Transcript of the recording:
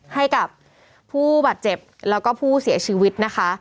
ให้กับผู้บาดเจ็บแล้วก็ผู้เสียชีวิตนะคะ